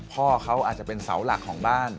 พ่อเขาอาจจะเป็นเสาหลักของบ้าน